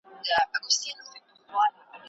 په ودونو کې ناوړه رواجونه پلي سول.